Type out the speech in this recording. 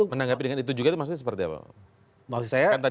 menanggapi dengan itu juga itu maksudnya seperti apa